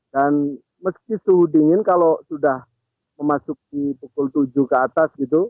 dan meski suhu dingin kalau sudah memasuki pukul tujuh ke atas gitu